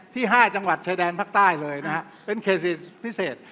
ที่ห้าจังหวัดชายแดนภาคใต้เลยนะฮะเป็นเขตเศรษฐกิจพิเศษ